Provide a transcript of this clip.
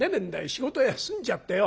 仕事休んじゃってよ。